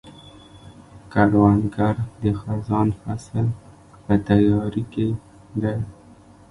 کروندګر د خزان فصل په تیاري کې دی